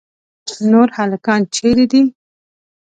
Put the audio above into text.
نور هلکان چیرې دي؟